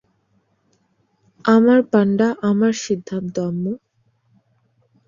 আমার পান্ডা, আমার সিদ্ধান্ত, আম্মু।